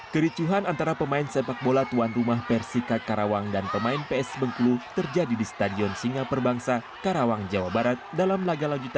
pertandingan sepak bola liga dua antara tuan rumah persika karawang melawan ps bengkulu di stadion singa perbangsa karawang jawa barat berakhir ricuh